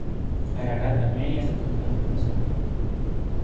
Ararat-Armenia es el campeón defensor.